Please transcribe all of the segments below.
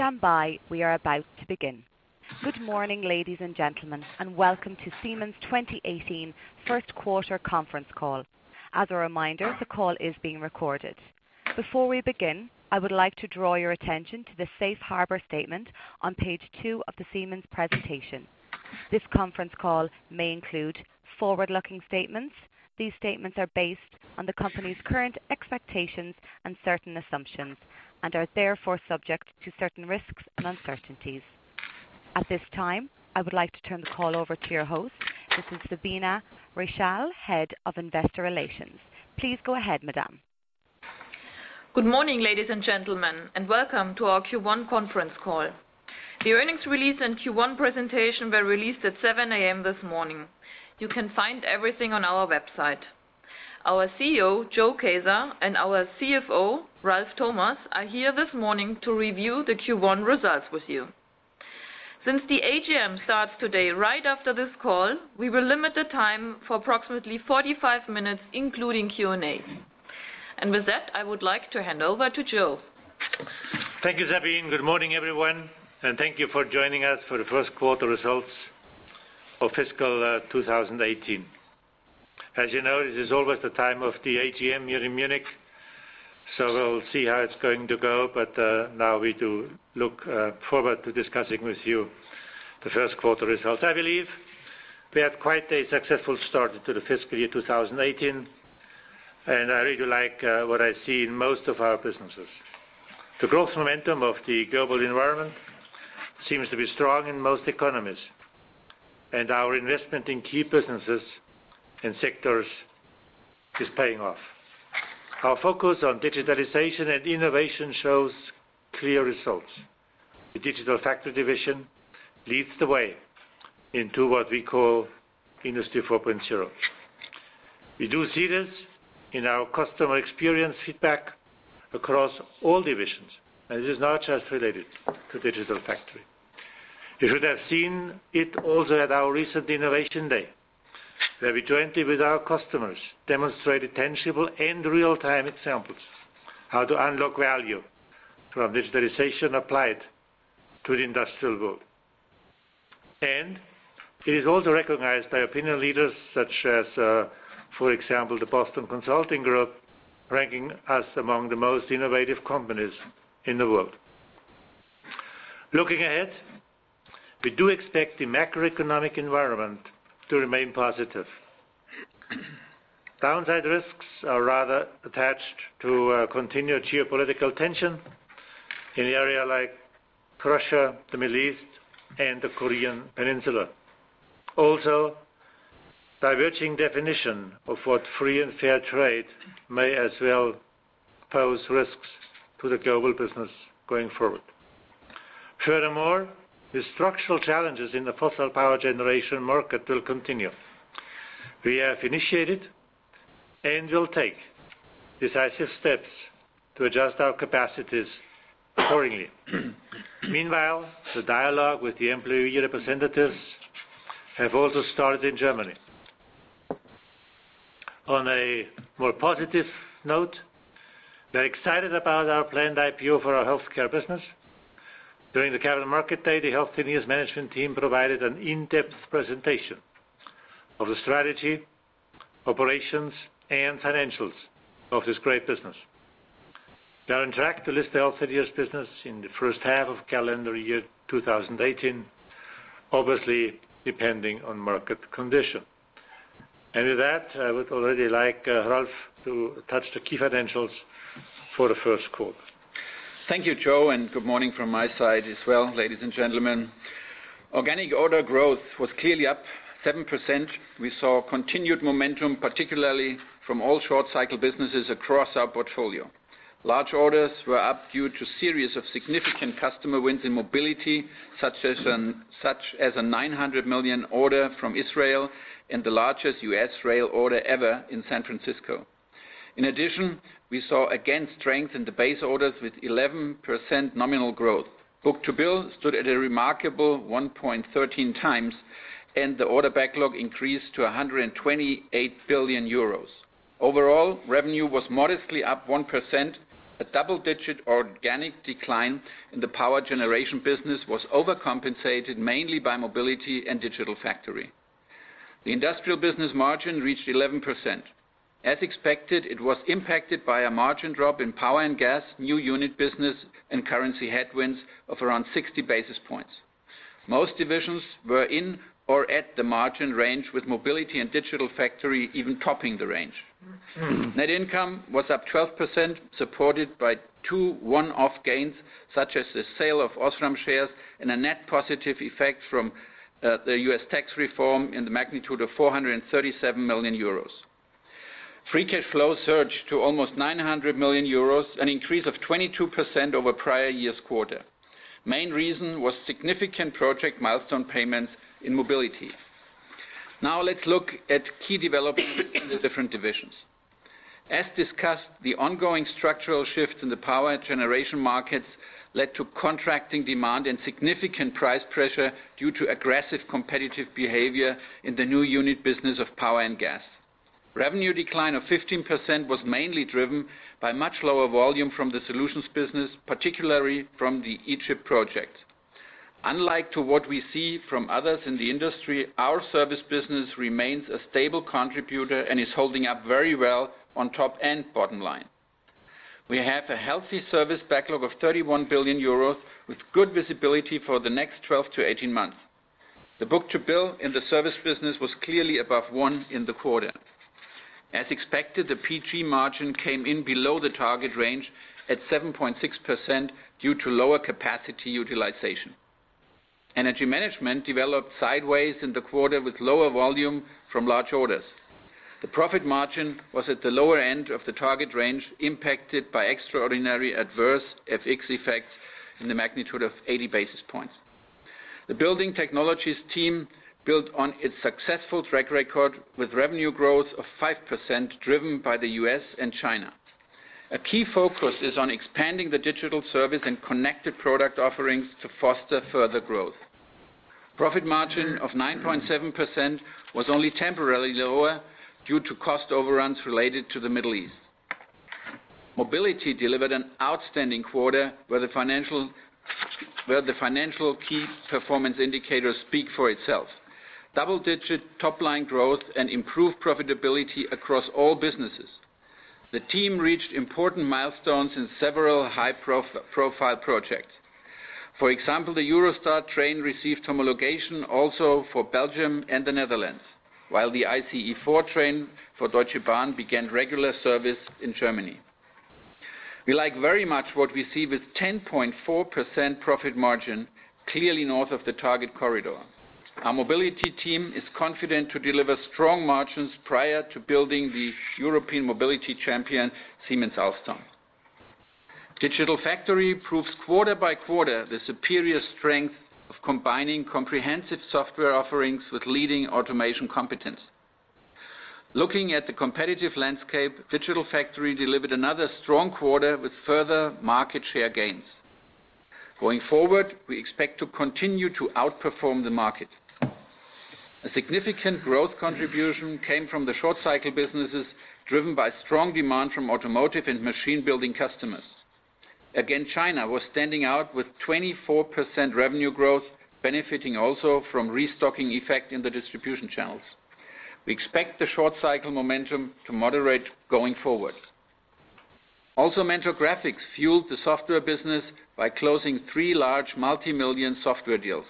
Please stand by. We are about to begin. Good morning, ladies and gentlemen, and welcome to Siemens' 2018 first quarter conference call. As a reminder, the call is being recorded. Before we begin, I would like to draw your attention to the safe harbor statement on page two of the Siemens presentation. This conference call may include forward-looking statements. These statements are based on the company's current expectations and certain assumptions, and are therefore subject to certain risks and uncertainties. At this time, I would like to turn the call over to your host, Mrs. Sabine Reichel, Head of Investor Relations. Please go ahead, madam. Good morning, ladies and gentlemen, and welcome to our Q1 conference call. The earnings release and Q1 presentation were released at 7:00 A.M. this morning. You can find everything on our website. Our CEO, Joe Kaeser, and our CFO, Ralf Thomas, are here this morning to review the Q1 results with you. Since the AGM starts today right after this call, we will limit the time for approximately 45 minutes, including Q&A. With that, I would like to hand over to Joe. Thank you, Sabine. Good morning, everyone, and thank you for joining us for the first quarter results of fiscal 2018. As you know, this is always the time of the AGM here in Munich. We'll see how it's going to go, now we do look forward to discussing with you the first quarter results. I believe we had quite a successful start to the fiscal year 2018, and I really like what I see in most of our businesses. The growth momentum of the global environment seems to be strong in most economies, and our investment in key businesses and sectors is paying off. Our focus on digitalization and innovation shows clear results. The Digital Factory division leads the way into what we call Industry 4.0. We do see this in our customer experience feedback across all divisions, and it is not just related to Digital Factory. You should have seen it also at our recent Innovation Day, where we jointly with our customers demonstrated tangible and real-time examples how to unlock value from digitalization applied to the industrial world. It is also recognized by opinion leaders such as, for example, the Boston Consulting Group, ranking us among the most innovative companies in the world. Looking ahead, we do expect the macroeconomic environment to remain positive. Downside risks are rather attached to continued geopolitical tension in the area like Russia, the Middle East, and the Korean Peninsula. Diverging definition of what free and fair trade may as well pose risks to the global business going forward. Furthermore, the structural challenges in the fossil power generation market will continue. We have initiated and will take decisive steps to adjust our capacities accordingly. Meanwhile, the dialogue with the employee representatives have also started in Germany. On a more positive note, we are excited about our planned IPO for our healthcare business. During the Capital Market Day, the Healthineers management team provided an in-depth presentation of the strategy, operations, and financials of this great business. We are on track to list the Healthineers business in the first half of calendar year 2018, obviously depending on market condition. With that, I would already like Ralf to touch the key financials for the first quarter. Thank you, Joe, and good morning from my side as well, ladies and gentlemen. Organic order growth was clearly up 7%. We saw continued momentum, particularly from all short-cycle businesses across our portfolio. Large orders were up due to series of significant customer wins in mobility, such as a 900 million order from Israel and the largest U.S. rail order ever in San Francisco. In addition, we saw again strength in the base orders with 11% nominal growth. Book-to-bill stood at a remarkable 1.13 times, the order backlog increased to 128 billion euros. Overall, revenue was modestly up 1%, a double-digit organic decline in the power generation business was overcompensated mainly by mobility and Digital Factory. The industrial business margin reached 11%. As expected, it was impacted by a margin drop in power and gas, new unit business, and currency headwinds of around 60 basis points. Most divisions were in or at the margin range, with mobility and Digital Factory even topping the range. Net income was up 12%, supported by two one-off gains, such as the sale of Osram shares and a net positive effect from the U.S. tax reform in the magnitude of 437 million euros. Free cash flow surged to almost 900 million euros, an increase of 22% over prior year's quarter. Main reason was significant project milestone payments in mobility. Let's look at key developments in the different divisions. As discussed, the ongoing structural shifts in the power generation markets led to contracting demand and significant price pressure due to aggressive competitive behavior in the new unit business of power and gas. Revenue decline of 15% was mainly driven by much lower volume from the solutions business, particularly from the Egypt project. Unlike what we see from others in the industry, our service business remains a stable contributor and is holding up very well on top and bottom line. We have a healthy service backlog of 31 billion euros, with good visibility for the next 12 to 18 months. The book-to-bill in the service business was clearly above 1 in the quarter. As expected, the PG margin came in below the target range at 7.6% due to lower capacity utilization. Energy Management developed sideways in the quarter with lower volume from large orders. The profit margin was at the lower end of the target range, impacted by extraordinary adverse FX effects in the magnitude of 80 basis points. The building technologies team built on its successful track record with revenue growth of 5% driven by the U.S. and China. A key focus is on expanding the digital service and connected product offerings to foster further growth. Profit margin of 9.7% was only temporarily lower due to cost overruns related to the Middle East. Mobility delivered an outstanding quarter where the financial key performance indicators speak for itself. Double-digit top-line growth and improved profitability across all businesses. The team reached important milestones in several high-profile projects. For example, the Eurostar train received homologation also for Belgium and the Netherlands, while the ICE 4 train for Deutsche Bahn began regular service in Germany. We like very much what we see with 10.4% profit margin, clearly north of the target corridor. Our mobility team is confident to deliver strong margins prior to building the European mobility champion, Siemens Alstom. Digital Factory proves quarter by quarter the superior strength of combining comprehensive software offerings with leading automation competence. Looking at the competitive landscape, Digital Factory delivered another strong quarter with further market share gains. Going forward, we expect to continue to outperform the market. A significant growth contribution came from the short-cycle businesses, driven by strong demand from automotive and machine building customers. China was standing out with 24% revenue growth, benefiting also from restocking effect in the distribution channels. We expect the short-cycle momentum to moderate going forward. Mentor Graphics fueled the software business by closing three large multimillion software deals.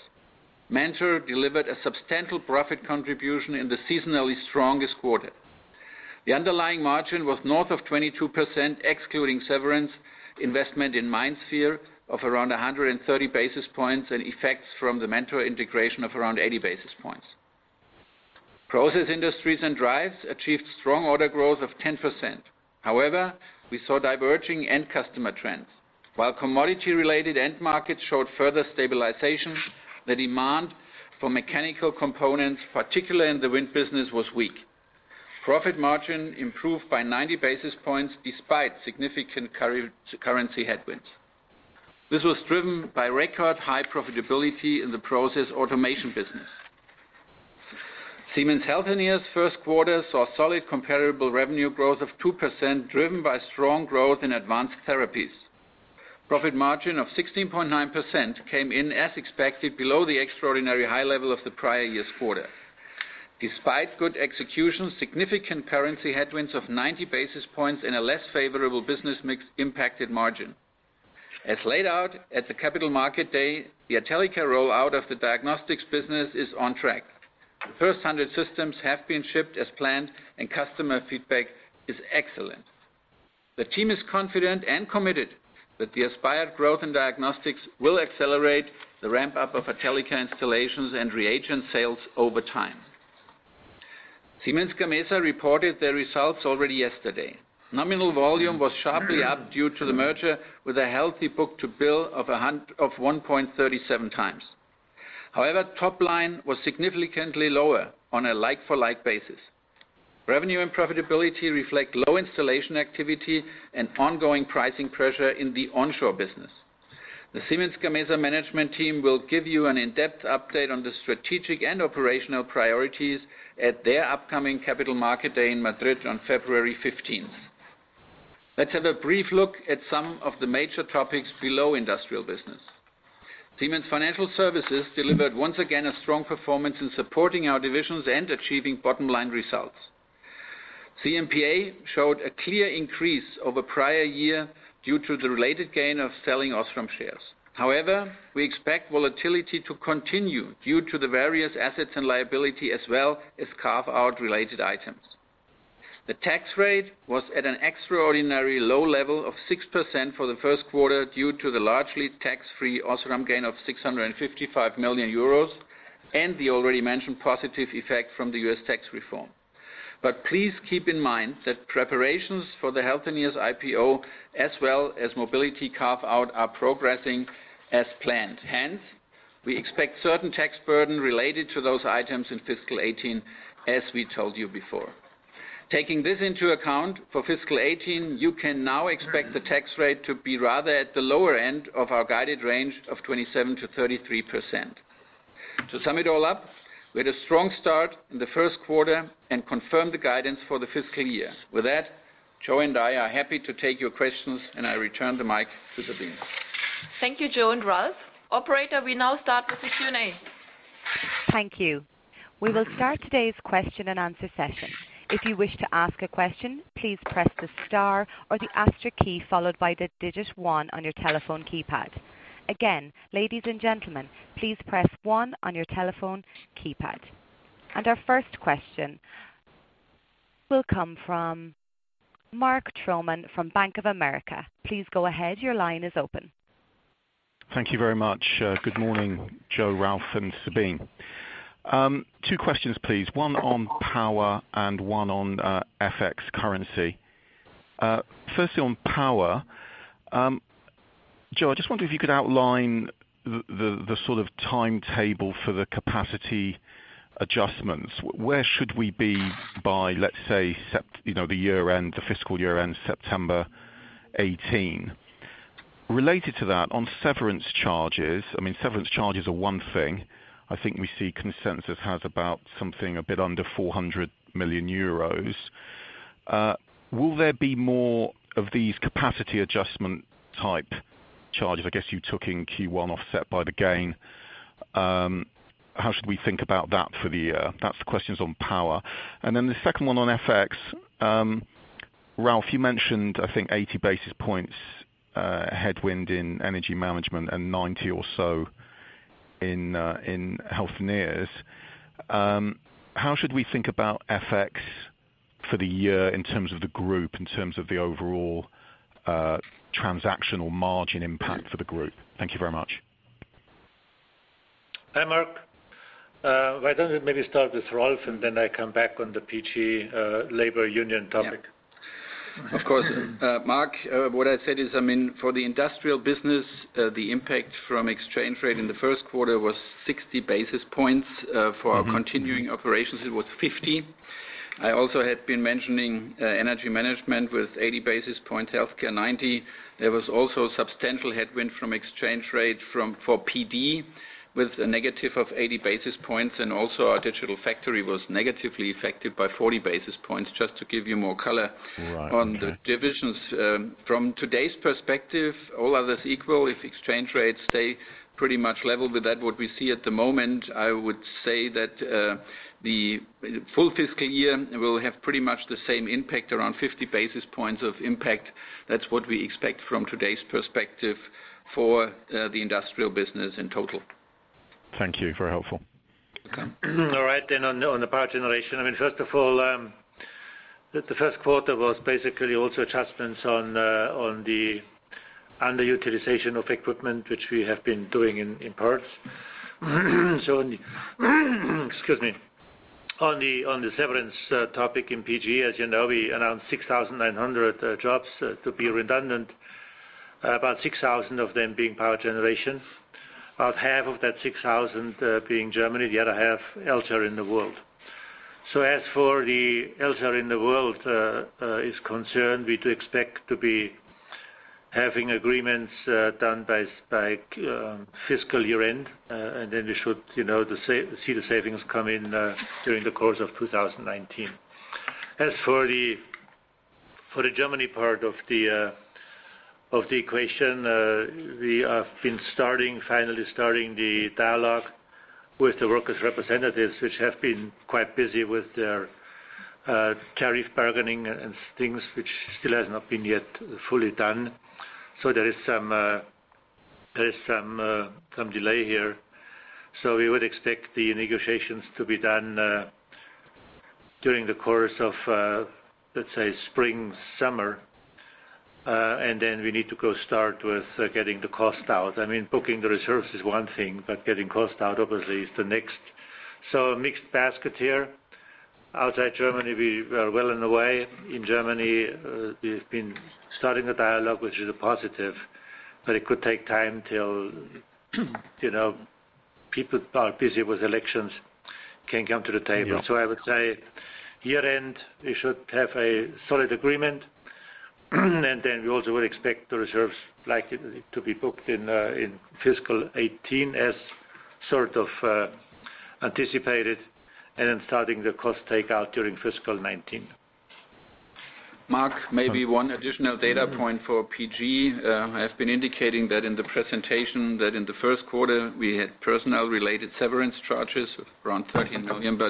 Mentor delivered a substantial profit contribution in the seasonally strongest quarter. The underlying margin was north of 22%, excluding severance investment in MindSphere of around 130 basis points and effects from the Mentor integration of around 80 basis points. Process industries and drives achieved strong order growth of 10%. However, we saw diverging end customer trends. While commodity-related end markets showed further stabilization, the demand for mechanical components, particularly in the wind business, was weak. Profit margin improved by 90 basis points despite significant currency headwinds. This was driven by record high profitability in the process automation business. Siemens Healthineers' first quarter saw solid comparable revenue growth of 2%, driven by strong growth in advanced therapies. Profit margin of 16.9% came in as expected below the extraordinary high level of the prior year's quarter. Despite good execution, significant currency headwinds of 90 basis points and a less favorable business mix impacted margin. As laid out at the Capital Market Day, the Atellica rollout of the diagnostics business is on track. The first 100 systems have been shipped as planned, and customer feedback is excellent. The team is confident and committed that the aspired growth in diagnostics will accelerate the ramp-up of Atellica installations and reagent sales over time. Siemens Gamesa reported their results already yesterday. Nominal volume was sharply up due to the merger with a healthy book-to-bill of 1.37 times. However, top line was significantly lower on a like-for-like basis. Revenue and profitability reflect low installation activity and ongoing pricing pressure in the onshore business. The Siemens Gamesa management team will give you an in-depth update on the strategic and operational priorities at their upcoming Capital Market Day in Madrid on February 15th. Let's have a brief look at some of the major topics below industrial business. Siemens Financial Services delivered once again a strong performance in supporting our divisions and achieving bottom-line results. CMPA showed a clear increase over prior year due to the related gain of selling Osram shares. We expect volatility to continue due to the various assets and liability as well as carve-out related items. The tax rate was at an extraordinary low level of 6% for the first quarter due to the largely tax-free Osram gain of 655 million euros and the already mentioned positive effect from the U.S. tax reform. Please keep in mind that preparations for the Healthineers IPO as well as Mobility carve out are progressing as planned. Hence, we expect certain tax burden related to those items in fiscal 2018, as we told you before. Taking this into account for fiscal 2018, you can now expect the tax rate to be rather at the lower end of our guided range of 27%-33%. To sum it all up, we had a strong start in the first quarter and confirmed the guidance for the fiscal year. With that, Joe and I are happy to take your questions, and I return the mic to Sabine. Thank you, Joe and Ralf. Operator, we now start with the Q&A. Thank you. We will start today's question and answer session. If you wish to ask a question, please press the star or the asterisk key, followed by the digit 1 on your telephone keypad. Again, ladies and gentlemen, please press one on your telephone keypad. Our first question will come from Mark Troman from Bank of America. Please go ahead. Your line is open. Thank you very much. Good morning, Joe, Ralf, and Sabine. Two questions, please. One on Power and one on FX currency. Firstly, on Power, Joe, I just wonder if you could outline the sort of timetable for the capacity adjustments. Where should we be by, let's say, the fiscal year-end, September 2018? Related to that, on severance charges, I mean, severance charges are one thing. I think we see consensus has about something a bit under 400 million euros. Will there be more of these capacity adjustment type charges? I guess you took in Q1 offset by the gain. How should we think about that for the year? That is the questions on Power. The second one on FX, Ralf, you mentioned, I think, 80 basis points headwind in Energy Management and 90 or so in Healthineers. How should we think about FX for the year in terms of the group, in terms of the overall transactional margin impact for the group? Thank you very much. Hi, Mark. Why don't we maybe start with Ralf, then I come back on the PG labor union topic? Yeah. Of course. Mark, what I said is, I mean, for the industrial business, the impact from exchange rate in the first quarter was 60 basis points. For our continuing operations, it was 50. I also had been mentioning Energy Management with 80 basis points, healthcare, 90. There was also substantial headwind from exchange rate for PD with a negative of 80 basis points, also our Digital Factory was negatively affected by 40 basis points, just to give you more color. Right. Okay on the divisions. From today's perspective, all others equal, if exchange rates stay pretty much level with that what we see at the moment, I would say that the full fiscal year will have pretty much the same impact, around 50 basis points of impact. That's what we expect from today's perspective for the industrial business in total. Thank you. Very helpful. Welcome. All right, on the Power Generation, I mean, first of all, the first quarter was basically also adjustments on the underutilization of equipment, which we have been doing in parts. Excuse me. On the severance topic in PG, as you know, we announced 6,900 jobs to be redundant, about 6,000 of them being Power Generation, about half of that 6,000 being Germany, the other half elsewhere in the world. As for the elsewhere in the world is concerned, we do expect to be having agreements done by fiscal year-end, and then we should see the savings come in during the course of 2019. As for the Germany part of the equation, we have been finally starting the dialogue with the workers' representatives, which have been quite busy with their tariff bargaining and things, which still has not been yet fully done. There is some delay here. We would expect the negotiations to be done during the course of, let's say, spring, summer, we need to go start with getting the cost out. Booking the reserves is one thing, getting cost out, obviously, is the next. A mixed basket here. Outside Germany, we are well on the way. In Germany, we've been starting a dialogue, which is a positive, it could take time till people are busy with elections, can't come to the table. Yeah. I would say year-end, we should have a solid agreement, we also would expect the reserves likely to be booked in fiscal 2018 as sort of anticipated, starting the cost takeout during fiscal 2019. Mark, maybe one additional data point for PG. I have been indicating that in the presentation that in the first quarter, we had personnel-related severance charges around 13 million.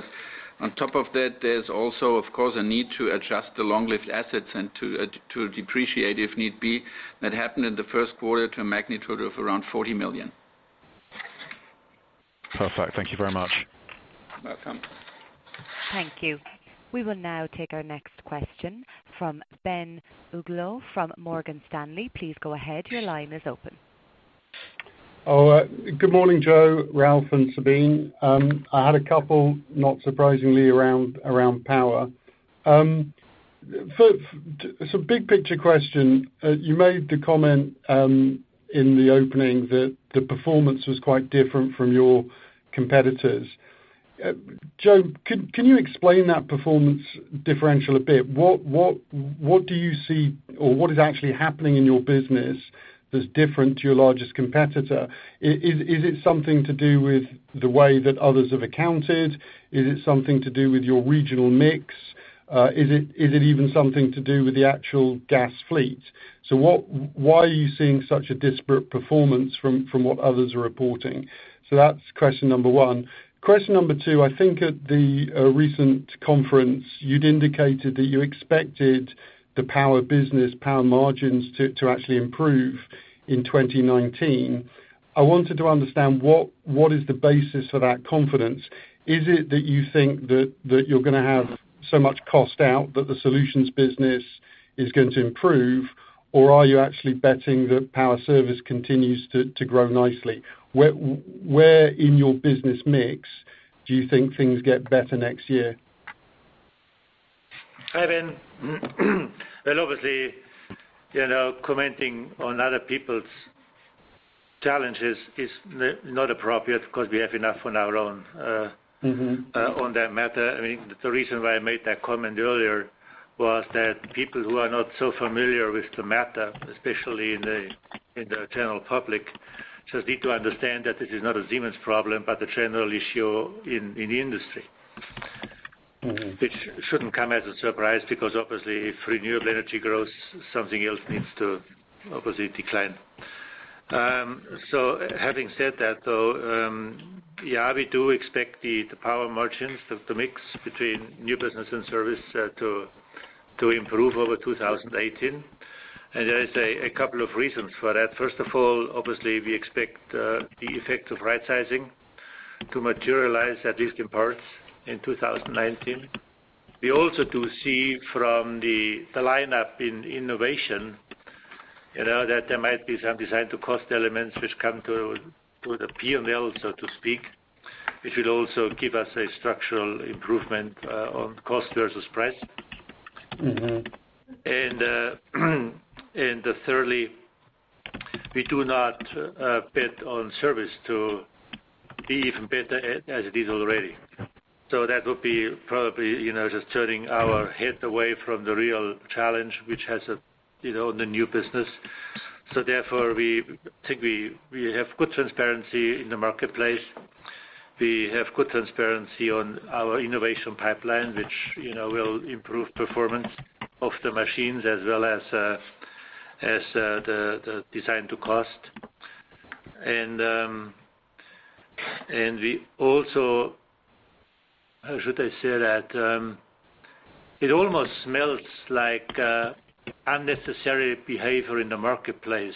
On top of that, there's also, of course, a need to adjust the long-lived assets and to depreciate if need be. That happened in the first quarter to a magnitude of around 40 million. Perfect. Thank you very much. You're welcome. Thank you. We will now take our next question from Ben Uglow from Morgan Stanley. Please go ahead. Your line is open. Good morning, Joe, Ralf, and Sabine. I had a couple, not surprisingly, around Power. Big picture question. You made the comment in the opening that the performance was quite different from your competitors. Joe, can you explain that performance differential a bit? What do you see or what is actually happening in your business that's different to your largest competitor? Is it something to do with the way that others have accounted? Is it something to do with your regional mix? Is it even something to do with the actual gas fleet? Why are you seeing such a disparate performance from what others are reporting? That's question number 1. Question number 2, I think at the recent conference, you'd indicated that you expected the power business, power margins to actually improve in 2019. I wanted to understand what is the basis for that confidence. Is it that you think that you're going to have so much cost out that the solutions business is going to improve, or are you actually betting that power service continues to grow nicely? Where in your business mix do you think things get better next year? Hi, Ben. Well, obviously, commenting on other people's challenges is not appropriate because we have enough on our own. on that matter. The reason why I made that comment earlier was that people who are not so familiar with the matter, especially in the general public, just need to understand that this is not a Siemens problem, but a general issue in the industry. Which shouldn't come as a surprise, because obviously if renewable energy grows, something else needs to obviously decline. Having said that, though, we do expect the power margins of the mix between new business and service to improve over 2018. There is a couple of reasons for that. First of all, obviously, we expect the effect of rightsizing to materialize, at least in parts, in 2019. We also do see from the lineup in innovation, that there might be some design-to-cost elements which come to the P&L, so to speak, which will also give us a structural improvement on cost versus price. Thirdly, we do not bet on service to be even better as it is already. That would be probably just turning our head away from the real challenge, which has the new business. Therefore, we think we have good transparency in the marketplace. We have good transparency on our innovation pipeline, which will improve performance of the machines as well as the design-to-cost. We also, how should I say that? It almost smells like unnecessary behavior in the marketplace.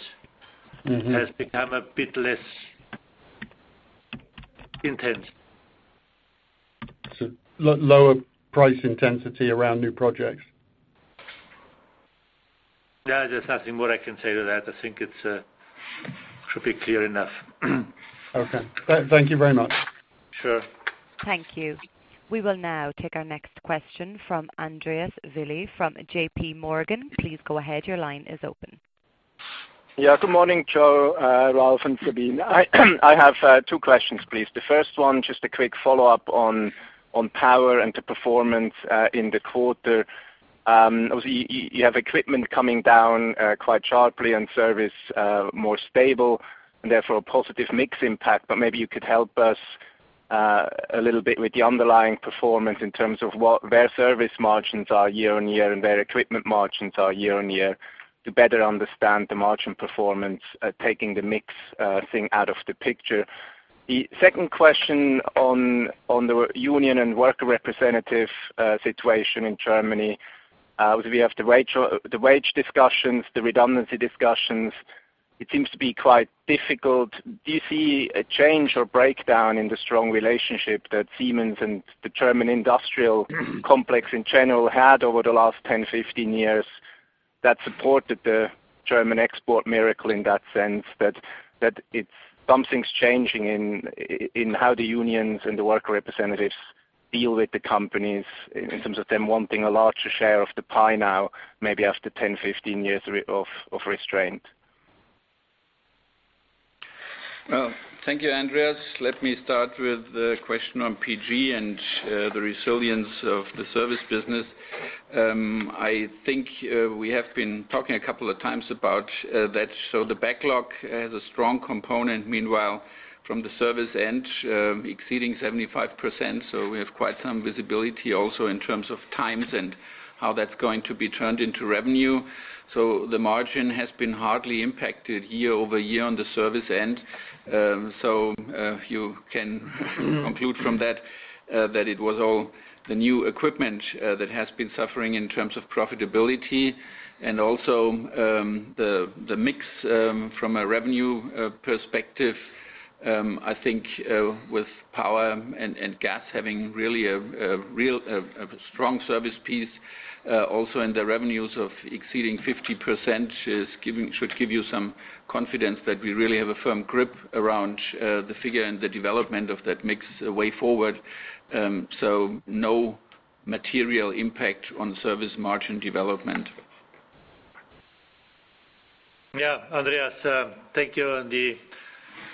has become a bit less intense. Lower price intensity around new projects? Yeah, there's nothing more I can say to that. I think it should be clear enough. Okay. Thank you very much. Sure. Thank you. We will now take our next question from Andreas Willi from JP Morgan. Please go ahead. Your line is open. Yeah, good morning, Joe, Ralf, and Sabine. I have two questions, please. The first one, just a quick follow-up on power and the performance in the quarter. Obviously, you have equipment coming down quite sharply and service more stable, and therefore a positive mix impact. Maybe you could help us a little bit with the underlying performance in terms of where service margins are year-on-year and where equipment margins are year-on-year to better understand the margin performance, taking the mix thing out of the picture. The second question on the union and worker representative situation in Germany. Obviously, we have the wage discussions, the redundancy discussions. It seems to be quite difficult. Do you see a change or breakdown in the strong relationship that Siemens and the German industrial complex in general had over the last 10, 15 years that supported the German export miracle in that sense, that something's changing in how the unions and the worker representatives deal with the companies in terms of them wanting a larger share of the pie now, maybe after 10, 15 years of restraint? Well, thank you, Andreas. Let me start with the question on PG and the resilience of the service business. I think we have been talking a couple of times about that. The backlog has a strong component, meanwhile, from the service end exceeding 75%. We have quite some visibility also in terms of times and how that's going to be turned into revenue. The margin has been hardly impacted year-over-year on the service end. You can conclude from that it was all the new equipment that has been suffering in terms of profitability and also the mix from a revenue perspective, I think with power and gas having really a strong service piece also in the revenues of exceeding 50% should give you some confidence that we really have a firm grip around the figure and the development of that mix way forward. No material impact on service margin development. Andreas, thank you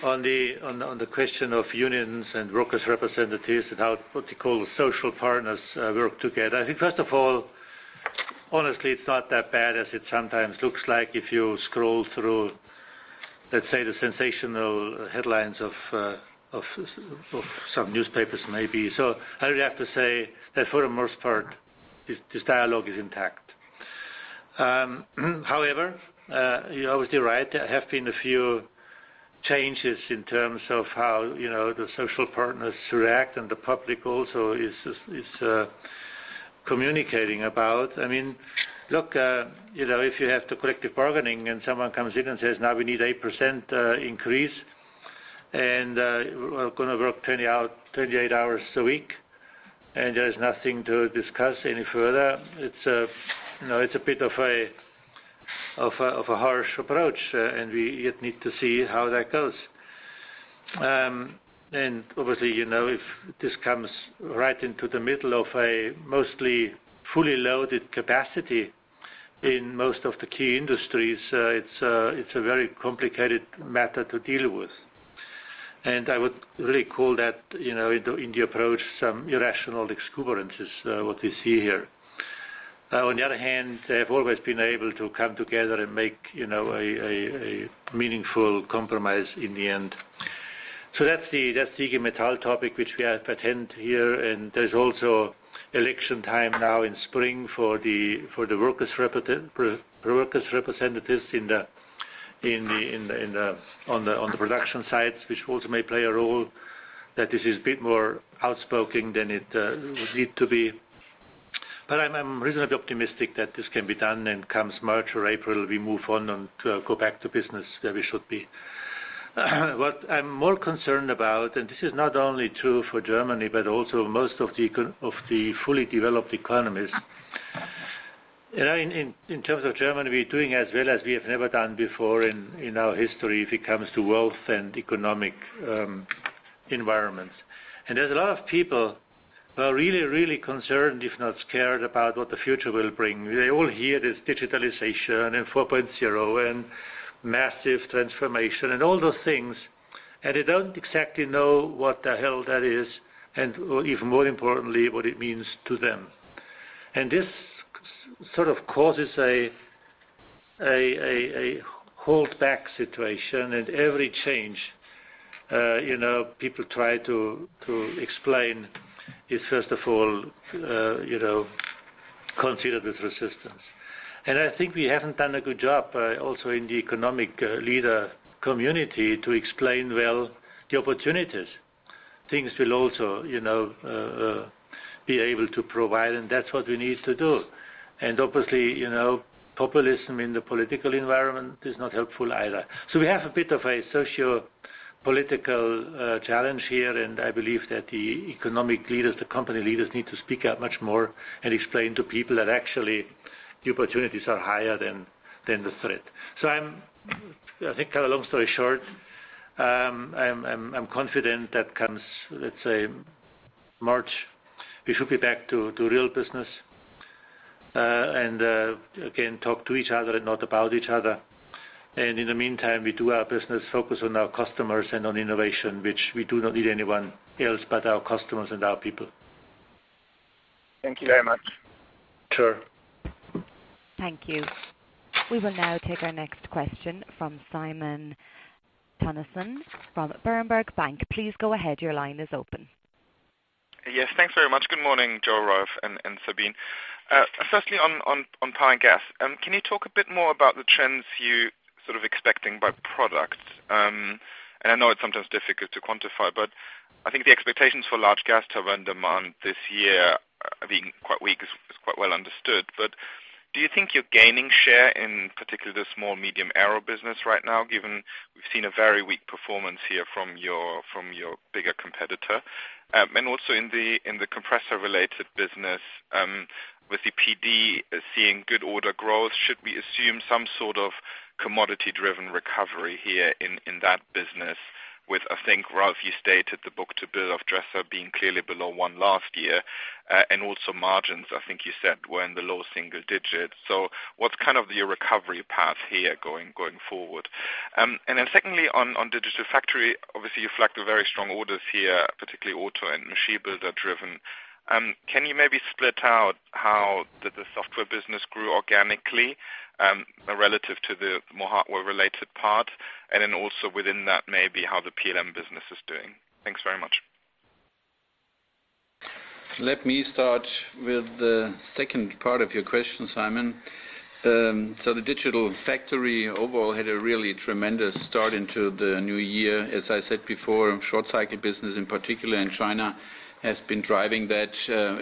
on the question of unions and workers' representatives and how, what you call, social partners work together. I think first of all, honestly, it's not that bad as it sometimes looks like if you scroll through, let's say, the sensational headlines of some newspapers maybe. I would have to say that for the most part, this dialogue is intact. However, you're obviously right. There have been a few changes in terms of how the social partners react, and the public also is communicating about. Look, if you have the collective bargaining and someone comes in and says, "Now we need 8% increase, and we're going to work 38 hours a week, and there's nothing to discuss any further," it's a bit of a harsh approach. We yet need to see how that goes. Obviously, if this comes right into the middle of a mostly fully loaded capacity in most of the key industries, it's a very complicated matter to deal with. I would really call that, in the approach, some irrational exuberance is what we see here. On the other hand, they have always been able to come together and make a meaningful compromise in the end. That's the IG Metall topic, which we have at hand here. There's also election time now in spring for the workers' representatives on the production sites, which also may play a role, that this is a bit more outspoken than it would need to be. I'm reasonably optimistic that this can be done, and comes March or April, we move on and go back to business where we should be. What I'm more concerned about, this is not only true for Germany, but also most of the fully developed economies. In terms of Germany, we're doing as well as we have never done before in our history when it comes to wealth and economic environments. There's a lot of people who are really concerned, if not scared about what the future will bring. They all hear this digitalization and 4.0 and massive transformation and all those things, and they don't exactly know what the hell that is, and even more importantly, what it means to them. This sort of causes a hold back situation. Every change people try to explain is first of all considered with resistance. I think we haven't done a good job also in the economic leader community to explain well the opportunities things will also be able to provide, and that's what we need to do. Obviously, populism in the political environment is not helpful either. We have a bit of a socio-political challenge here, I believe that the economic leaders, the company leaders, need to speak out much more and explain to people that actually the opportunities are higher than the threat. I think to cut a long story short, I'm confident that comes, let's say, March, we should be back to real business. Again, talk to each other and not about each other. In the meantime, we do our business, focus on our customers and on innovation, which we do not need anyone else but our customers and our people. Thank you very much. Sure. Thank you. We will now take our next question from Simon Toennessen, from Berenberg Bank. Please go ahead. Your line is open. Thanks very much. Good morning, Joe, Ralf, and Sabine. Firstly on Power and Gas. Can you talk a bit more about the trends you're sort of expecting by products? I know it's sometimes difficult to quantify, but I think the expectations for large gas turbine demand this year being quite weak is quite well understood. Do you think you're gaining share in particularly the small medium aero business right now, given we've seen a very weak performance here from your bigger competitor? Also in the compressor-related business, with PD seeing good order growth, should we assume some sort of commodity-driven recovery here in that business with, I think, Ralf, you stated the book-to-bill of Dresser-Rand being clearly below 1 last year. Also margins, I think you said were in the low single digits. What's kind of your recovery path here going forward? Secondly on Digital Factory, obviously you flagged the very strong orders here, particularly auto and machine builder driven. Can you maybe split out how the software business grew organically, relative to the more hardware-related part? Then also within that, maybe how the PLM business is doing. Thanks very much. Let me start with the second part of your question, Simon. The Digital Factory overall had a really tremendous start into the new year. As I said before, short-cycle business, in particular in China, has been driving that.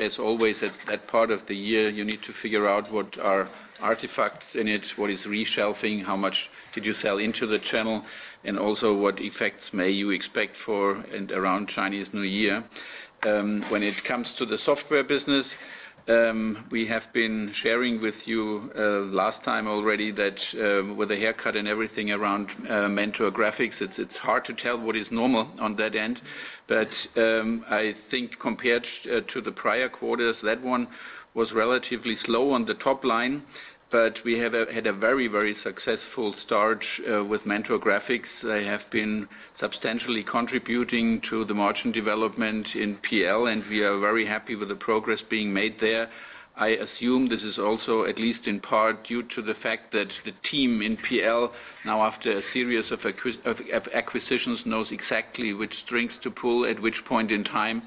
As always, at that part of the year, you need to figure out what are artifacts in it, what is restocking, how much did you sell into the channel, and also what effects may you expect for and around Chinese New Year. When it comes to the software business- We have been sharing with you last time already that with the haircut and everything around Mentor Graphics, it's hard to tell what is normal on that end. I think compared to the prior quarters, that one was relatively slow on the top line, but we have had a very successful start with Mentor Graphics. They have been substantially contributing to the margin development in PL, and we are very happy with the progress being made there. I assume this is also, at least in part, due to the fact that the team in PL, now after a series of acquisitions, knows exactly which strings to pull at which point in time.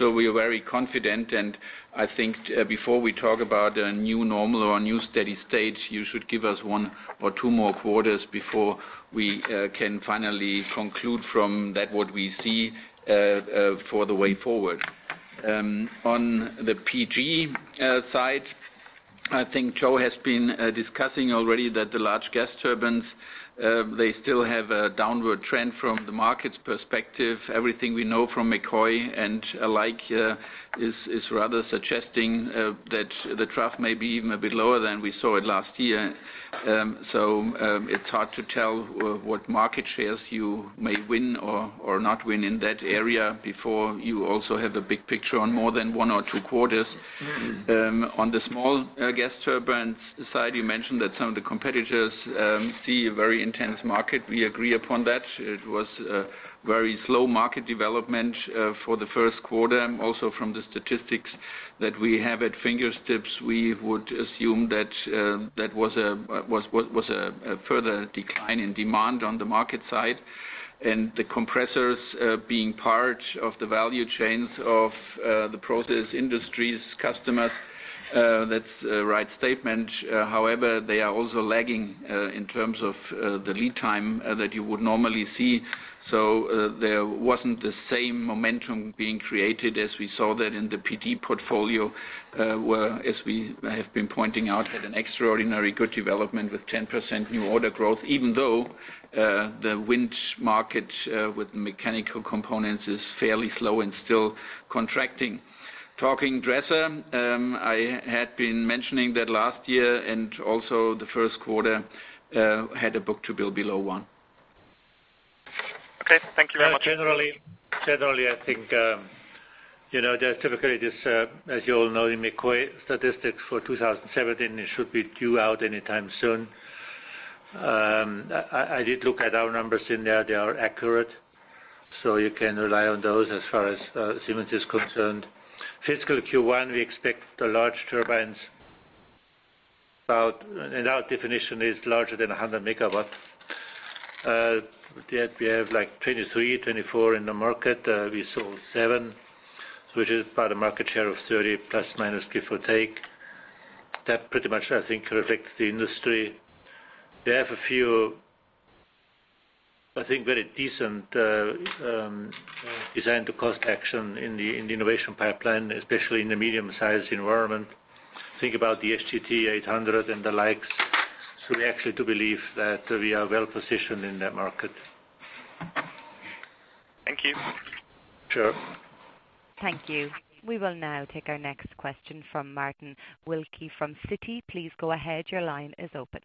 We are very confident, and I think before we talk about a new normal or a new steady state, you should give us one or two more quarters before we can finally conclude from that what we see for the way forward. On the PG side, I think Joe has been discussing already that the large gas turbines, they still have a downward trend from the market's perspective. Everything we know from McCoy and alike is rather suggesting that the trough may be even a bit lower than we saw it last year. It's hard to tell what market shares you may win or not win in that area before you also have the big picture on more than one or two quarters. On the small gas turbines side, you mentioned that some of the competitors see a very intense market. We agree upon that. It was a very slow market development for the first quarter. Also from the statistics that we have at fingertips, we would assume that was a further decline in demand on the market side. The compressors being part of the value chains of the process industries customers, that's a right statement. However, they are also lagging in terms of the lead time that you would normally see. There wasn't the same momentum being created as we saw that in the PD portfolio, where, as we have been pointing out, had an extraordinarily good development with 10% new order growth, even though the wind market with mechanical components is fairly slow and still contracting. Talking Dresser, I had been mentioning that last year and also the first quarter had a book-to-bill below one. Okay. Thank you very much. Generally, I think, there's typically this, as you all know, the McCoy statistics for 2017, it should be due out anytime soon. I did look at our numbers in there. They are accurate, so you can rely on those as far as Siemens is concerned. Fiscal Q1, we expect the large turbines, and our definition is larger than 100 MW. With that, we have 23, 24 in the market. We sold seven, which is about a market share of 30% plus or minus, give or take. That pretty much, I think, reflects the industry. They have a few, I think, very decent design-to-cost action in the innovation pipeline, especially in the medium-sized environment. Think about the SGT-800 and the likes. We actually do believe that we are well-positioned in that market. Thank you. Sure. Thank you. We will now take our next question from Martin Wilkie from Citi. Please go ahead. Your line is open.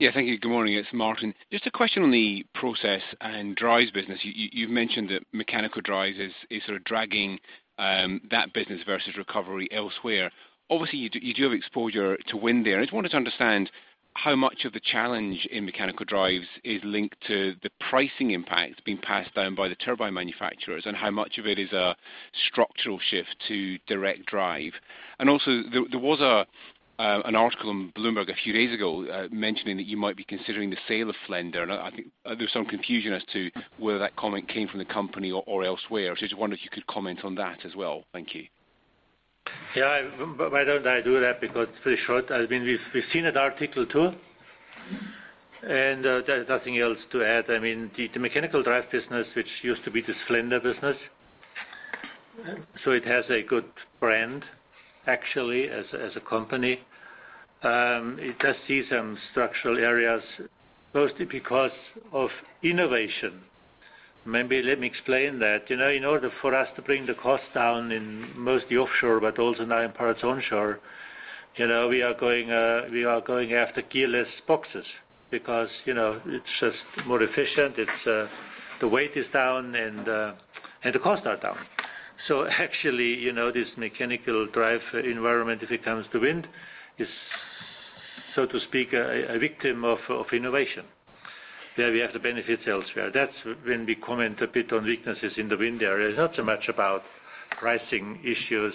Thank you. Good morning. It's Martin. Just a question on the process and drives business. You have mentioned that mechanical drives is sort of dragging that business versus recovery elsewhere. Obviously, you do have exposure to wind there. I just wanted to understand how much of the challenge in mechanical drives is linked to the pricing impact being passed down by the turbine manufacturers, and how much of it is a structural shift to direct drive. Also, there was an article on Bloomberg a few days ago mentioning that you might be considering the sale of Flender, and I think there is some confusion as to whether that comment came from the company or elsewhere. Just wondered if you could comment on that as well. Thank you. Why don't I do that? Because it's pretty short. We have seen that article, too, and there is nothing else to add. The mechanical drive business, which used to be the Flender business, so it has a good brand, actually, as a company. It does see some structural areas, mostly because of innovation. Maybe let me explain that. In order for us to bring the cost down in mostly offshore, but also now in parts onshore, we are going after gearless boxes because it's just more efficient. The weight is down and the costs are down. So actually, this mechanical drive environment, if it comes to wind, is, so to speak, a victim of innovation. There we have the benefits elsewhere. That's when we comment a bit on weaknesses in the wind area. It's not so much about pricing issues.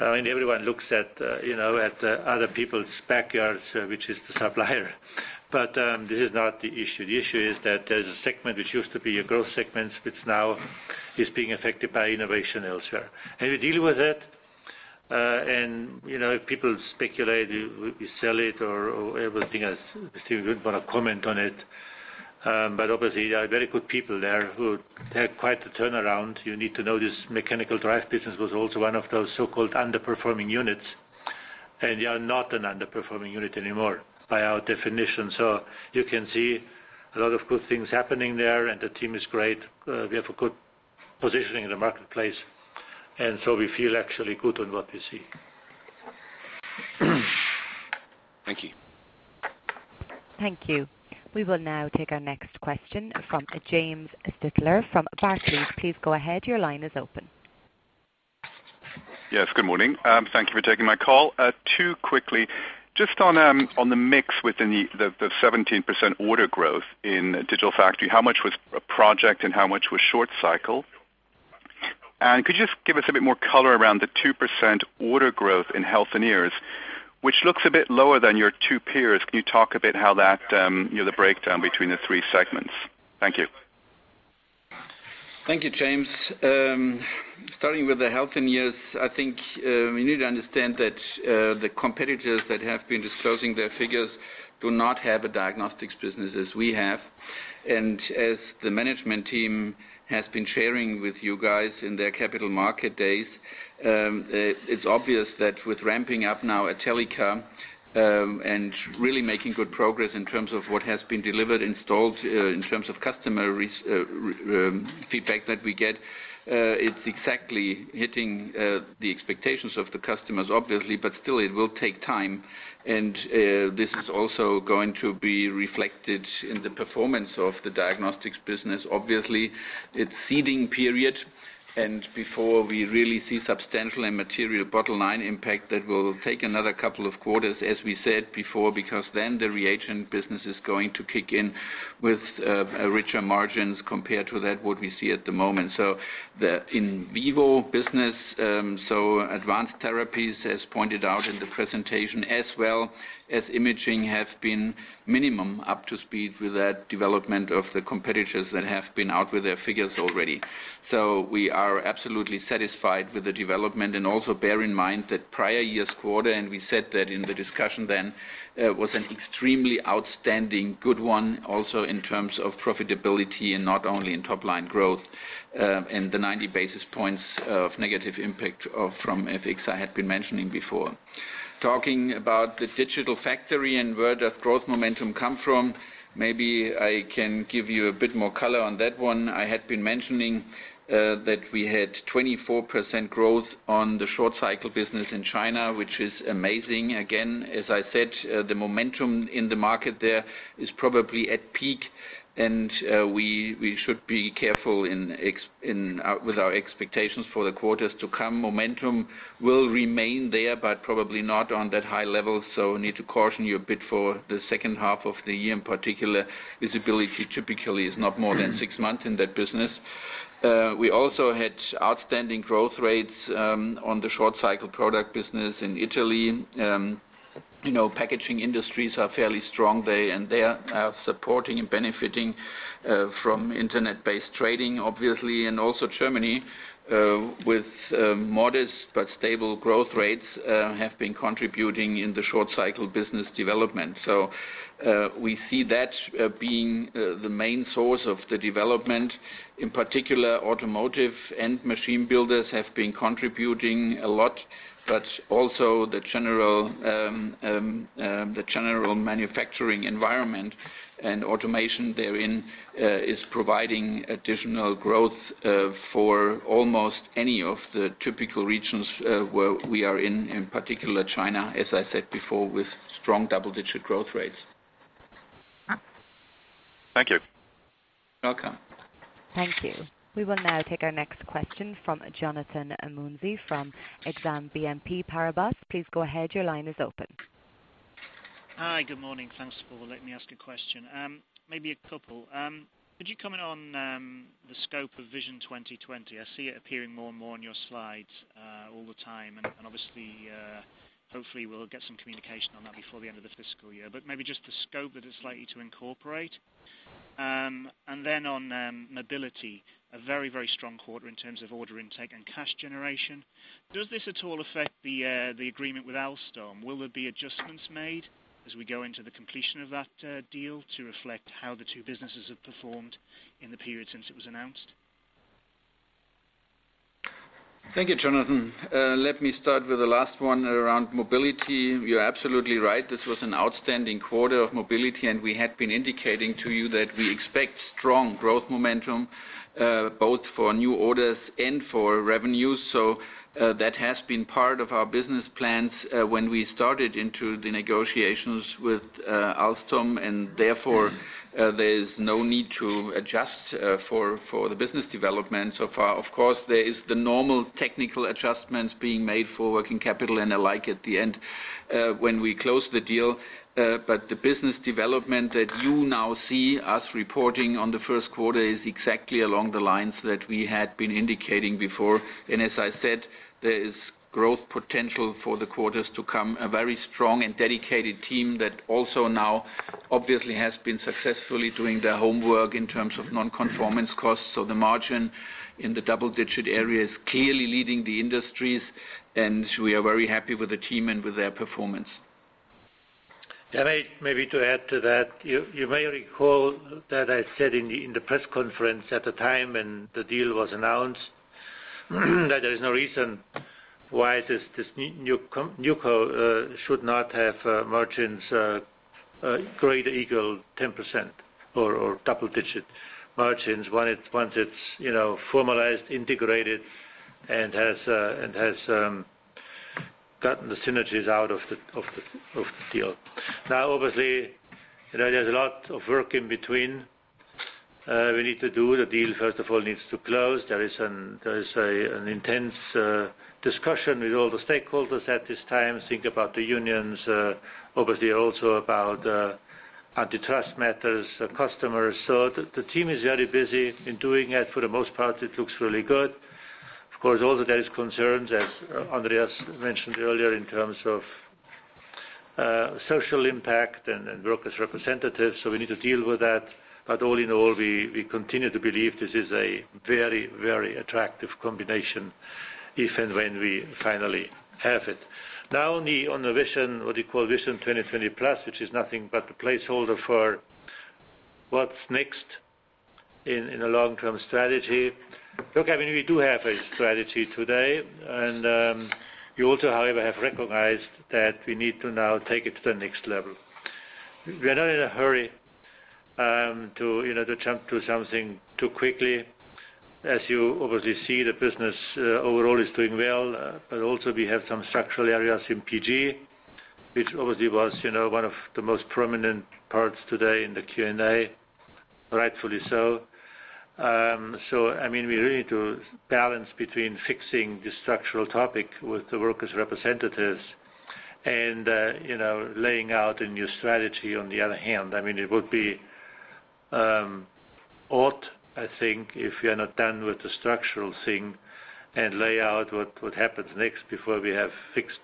Everyone looks at other people's backyards, which is the supplier. This is not the issue. The issue is that there is a segment which used to be a growth segment, which now is being affected by innovation elsewhere. We deal with it, and people speculate we sell it or everything else. Still would not want to comment on it. But obviously, there are very good people there who had quite the turnaround. You need to know this mechanical drive business was also one of those so-called underperforming units. You are not an underperforming unit anymore by our definition. So you can see a lot of good things happening there and the team is great. We have a good positioning in the marketplace, and so we feel actually good on what we see. Thank you. Thank you. We will now take our next question from James Stettler from Barclays. Please go ahead. Your line is open. Yes, good morning. Thank you for taking my call. Two quickly. Just on the mix within the 17% order growth in Digital Factory, how much was a project and how much was short cycle? Could you just give us a bit more color around the 2% order growth in Healthineers, which looks a bit lower than your two peers. Can you talk a bit how the breakdown between the three segments? Thank you. Thank you, James. Starting with the Healthineers, I think we need to understand that the competitors that have been disclosing their figures do not have a diagnostics business as we have. As the management team has been sharing with you guys in their Capital Market Days, it's obvious that with ramping up now Atellica and really making good progress in terms of what has been delivered, installed in terms of customer feedback that we get, it's exactly hitting the expectations of the customers, obviously, but still it will take time, and this is also going to be reflected in the performance of the diagnostics business. Obviously, it's seeding period, and before we really see substantial and material bottom-line impact, that will take another couple of quarters, as we said before, because then the reagent business is going to kick in with richer margins compared to that what we see at the moment. The in vivo business, advanced therapies, as pointed out in the presentation, as well as imaging, have been minimum up to speed with that development of the competitors that have been out with their figures already. We are absolutely satisfied with the development, and also bear in mind that prior year's quarter, and we said that in the discussion then, was an extremely outstanding good one also in terms of profitability and not only in top-line growth, and the 90 basis points of negative impact from FX I had been mentioning before. Talking about the Digital Factory and where does growth momentum come from, maybe I can give you a bit more color on that one. I had been mentioning that we had 24% growth on the short cycle business in China, which is amazing. Again, as I said, the momentum in the market there is probably at peak and we should be careful with our expectations for the quarters to come. Momentum will remain there, but probably not on that high level. Need to caution you a bit for the second half of the year in particular. Visibility typically is not more than six months in that business. We also had outstanding growth rates on the short cycle product business in Italy. Packaging industries are fairly strong, and they are supporting and benefiting from internet-based trading, obviously, and also Germany, with modest but stable growth rates, have been contributing in the short cycle business development. We see that being the main source of the development. In particular, automotive and machine builders have been contributing a lot, but also the general manufacturing environment and automation therein is providing additional growth for almost any of the typical regions where we are in particular China, as I said before, with strong double-digit growth rates. Thank you. You're welcome. Thank you. We will now take our next question from Jonathan Mounsey from Exane BNP Paribas. Please go ahead. Your line is open. Hi, good morning. Thanks, all. Let me ask a question, maybe a couple. Could you comment on the scope of Vision 2020? I see it appearing more and more on your slides all the time, and obviously, hopefully we'll get some communication on that before the end of the fiscal year. Maybe just the scope that it's likely to incorporate. Then on mobility, a very, very strong quarter in terms of order intake and cash generation. Does this at all affect the agreement with Alstom? Will there be adjustments made as we go into the completion of that deal to reflect how the two businesses have performed in the period since it was announced? Thank you, Jonathan. Let me start with the last one around mobility. You're absolutely right. This was an outstanding quarter of mobility, and we had been indicating to you that we expect strong growth momentum both for new orders and for revenues. That has been part of our business plans when we started into the negotiations with Alstom, and therefore, there is no need to adjust for the business development so far. Of course, there is the normal technical adjustments being made for working capital and the like at the end when we close the deal. The business development that you now see us reporting on the first quarter is exactly along the lines that we had been indicating before. As I said, there is growth potential for the quarters to come. A very strong and dedicated team that also now obviously has been successfully doing their homework in terms of non-conformance costs. The margin in the double-digit area is clearly leading the industries, and we are very happy with the team and with their performance. Maybe to add to that, you may recall that I said in the press conference at the time when the deal was announced, that there is no reason why this new co should not have margins greater equal 10% or double-digit margins once it's formalized, integrated, and has gotten the synergies out of the deal. Obviously, there's a lot of work in between we need to do. The deal, first of all, needs to close. There is an intense discussion with all the stakeholders at this time. Think about the unions, obviously also about antitrust matters, customers. The team is very busy in doing it. For the most part, it looks really good. Of course, also there is concerns, as Andreas mentioned earlier, in terms of social impact and workers' representatives, so we need to deal with that. All in all, we continue to believe this is a very, very attractive combination, if and when we finally have it. On the vision, what we call Vision 2020+, which is nothing but a placeholder for what's next in a long-term strategy. Look, I mean, we do have a strategy today, you also, however, have recognized that we need to now take it to the next level. We are not in a hurry to jump to something too quickly. As you obviously see, the business overall is doing well. Also we have some structural areas in PG, which obviously was one of the most prominent parts today in the Q&A, rightfully so. I mean, we really need to balance between fixing the structural topic with the workers' representatives and laying out a new strategy on the other hand. I mean, it would be ought, I think, if we are not done with the structural thing and lay out what happens next before we have fixed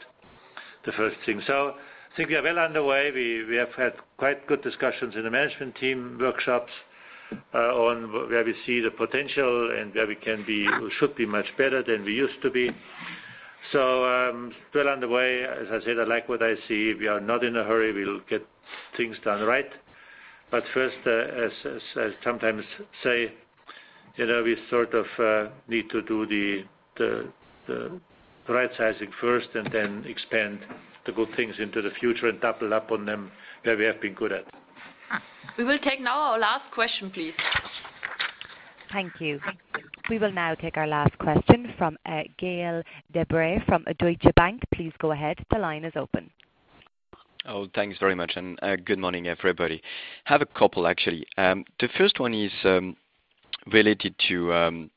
the first thing. I think we are well underway. We have had quite good discussions in the management team workshops on where we see the potential and where we should be much better than we used to be. Well on the way. As I said, I like what I see. We are not in a hurry. We'll get things done right. First, as I sometimes say, we sort of need to do the right-sizing first and then expand the good things into the future and double up on them where we have been good at. We will take now our last question, please. Thank you. We will now take our last question from Gael de-Bray from Deutsche Bank. Please go ahead. The line is open. Thanks very much, good morning, everybody. Have a couple, actually. The first one is related to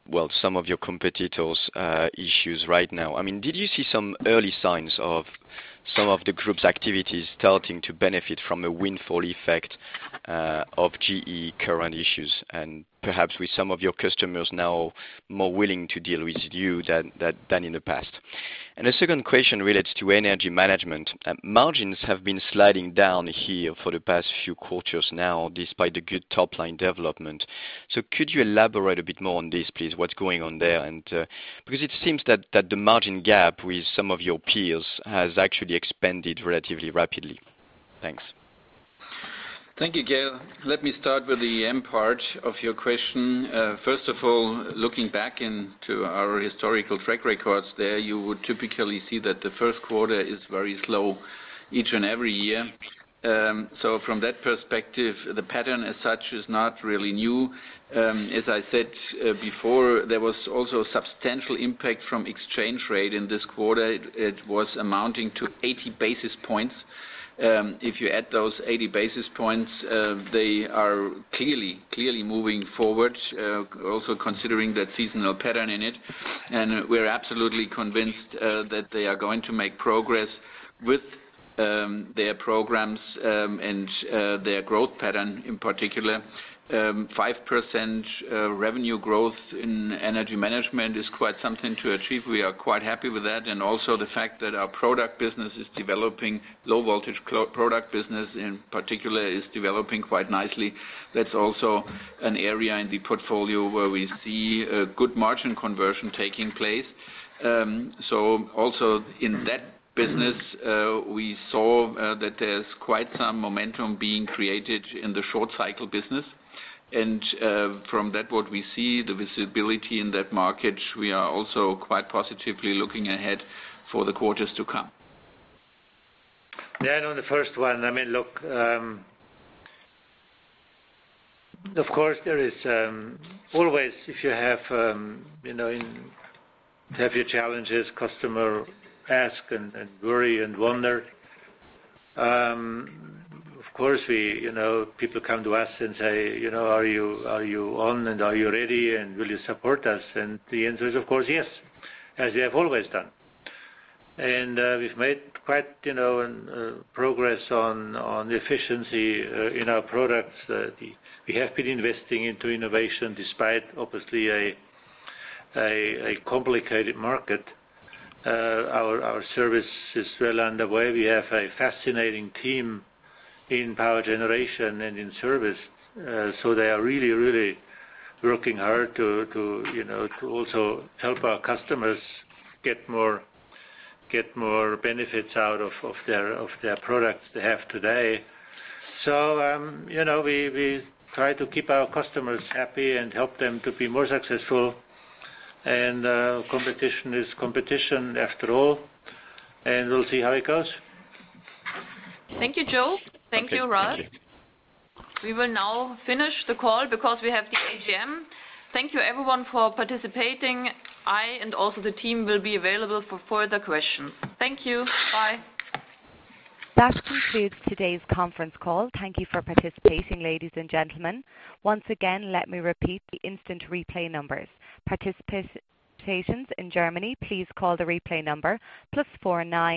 some of your competitors' issues right now. Did you see some early signs of some of the group's activities starting to benefit from a windfall effect of GE current issues, and perhaps with some of your customers now more willing to deal with you than in the past? The second question relates to Energy Management. Margins have been sliding down here for the past few quarters now, despite the good top-line development. Could you elaborate a bit more on this, please, what's going on there? It seems that the margin gap with some of your peers has actually expanded relatively rapidly. Thanks. Thank you, Gael. Let me start with the end part of your question. First of all, looking back into our historical track records there, you would typically see that the first quarter is very slow each and every year. From that perspective, the pattern as such is not really new. As I said before, there was also substantial impact from exchange rate in this quarter. It was amounting to 80 basis points. If you add those 80 basis points, they are clearly moving forward, also considering that seasonal pattern in it. We're absolutely convinced that they are going to make progress with their programs, and their growth pattern in particular. 5% revenue growth in Energy Management is quite something to achieve. We are quite happy with that, and also the fact that our product business is developing, low-voltage product business, in particular, is developing quite nicely. That's also an area in the portfolio where we see a good margin conversion taking place. Also in that business, we saw that there's quite some momentum being created in the short cycle business. From that what we see, the visibility in that market, we are also quite positively looking ahead for the quarters to come. On the first one, I mean, look, of course there is always if you have your challenges, customer ask and worry and wonder. Of course, people come to us and say, "Are you on and are you ready, and will you support us?" The answer is, of course, yes, as we have always done. We've made quite progress on the efficiency in our products. We have been investing into innovation despite obviously a complicated market. Our service is well underway. We have a fascinating team in power generation and in service. They are really working hard to also help our customers get more benefits out of their products they have today. We try to keep our customers happy and help them to be more successful, Competition is competition after all, and we'll see how it goes. Thank you, Joe. Thank you, Ralf. Okay, thank you. We will now finish the call because we have the AGM. Thank you everyone for participating. I, and also the team, will be available for further questions. Thank you. Bye. That concludes today's conference call. Thank you for participating, ladies and gentlemen. Once again, let me repeat the instant replay numbers. Participants in Germany, please call the replay number +49